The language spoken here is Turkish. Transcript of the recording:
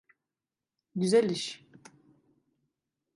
Güzel iş.